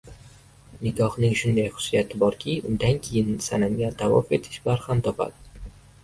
Nikohning shunday xususiyati borki, undan keyin sanamga tavof etish barham topadi.